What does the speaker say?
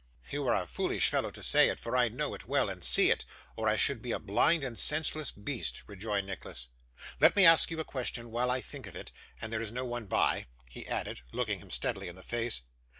'You are a foolish fellow to say it, for I know it well, and see it, or I should be a blind and senseless beast,' rejoined Nicholas. 'Let me ask you a question while I think of it, and there is no one by,' he added, looking him steadily in the face.